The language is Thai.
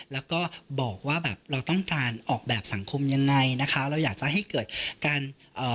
แล้วก็บอกว่าแบบเราต้องการออกแบบสังคมยังไงนะคะเราอยากจะให้เกิดการเอ่อ